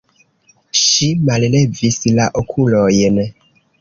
Ŝi mallevis la okulojn.